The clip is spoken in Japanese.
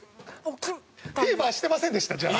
フィーバーしてませんでしたじゃあ。